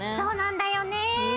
そうなんだよね。